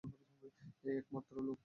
এই একমাত্র লোক।